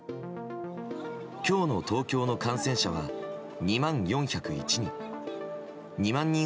今日の東京の感染者は２万４０１人。